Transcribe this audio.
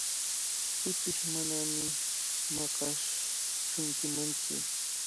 Pipish manami maqashunkimantsu.